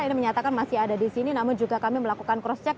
ini menyatakan masih ada di sini namun juga kami melakukan cross check